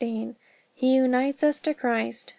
He unites us to Christ.